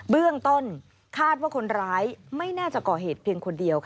เบื้องต้นคาดว่าคนร้ายไม่น่าจะก่อเหตุเพียงคนเดียว